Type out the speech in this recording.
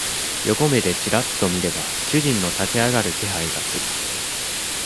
横目でちらっと見れば、主人の立ち上がる気配がする。